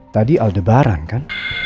tadi al debaran kan